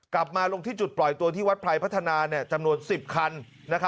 กลับมาลงที่จุดปล่อยตัวที่วัดพลัยพัฒนาเนี่ยจำนวน๑๐คันนะครับ